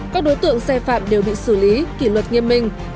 các đối tượng xe phạm đều bị xử lý kỷ luật nghiêm minh